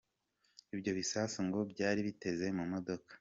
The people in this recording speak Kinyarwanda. Ibyo bisasu ngo byari biteze mu modoka.